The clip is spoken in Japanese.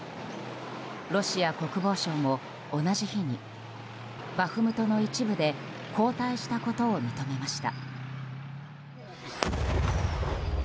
ロシア国防省も同じ日にバフムトの一部で後退したことを認めました。